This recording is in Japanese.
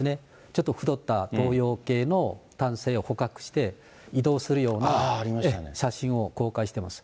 ちょっと太った東洋系の男性を捕獲して、移動するような写真を公開しています。